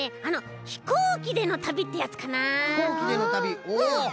あの「飛行機でのたび」ってやつかなあ。